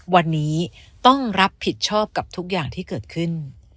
วันนี้ต้องรับผิดชอบกับทุกอย่างที่เกิดขึ้น